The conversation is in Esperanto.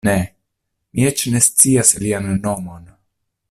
Ne; mi eĉ ne scias lian nomon.